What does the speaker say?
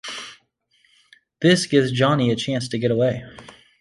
This gives Johnny a chance to get away.